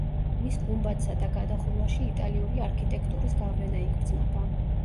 მის გუმბათსა და გადახურვაში იტალიური არქიტექტურის გავლენა იგრძნობა.